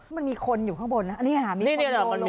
มันมีคนอยู่ข้างบนนะมีคนโยนลงมา